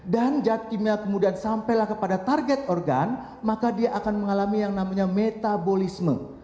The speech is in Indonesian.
dan jad kimia kemudian sampailah kepada target organ maka dia akan mengalami yang namanya metabolisme